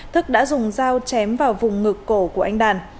thức đã dùng dao chém vào vùng ngực cổ của anh đàn